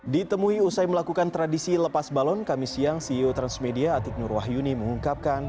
ditemui usai melakukan tradisi lepas balon kami siang ceo transmedia atik nur wahyuni mengungkapkan